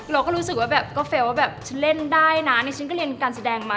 เราก็รู้สึกว่าแบบก็เฟลล์ว่าแบบฉันเล่นได้นะนี่ฉันก็เรียนการแสดงมา